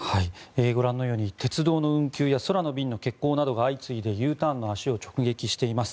ご覧のように鉄道の運休や空の便の欠航などが相次いでＵターンの足を直撃しています。